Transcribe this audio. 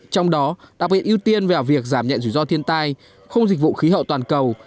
trong đó đặc biệt ưu tiên vào việc giảm nhận rủi ro thiên tai không dịch vụ khí hậu toàn cầu